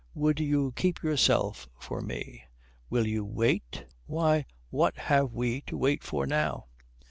"Would you keep yourself for me? Will you wait?" "Why, what have we to wait for now?"